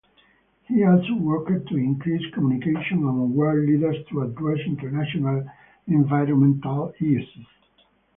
He also worked to increase communication among world leaders to address international environmental issues.